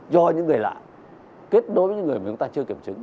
do những người lạ kết đối với những người mà chúng ta chưa kiểm chứng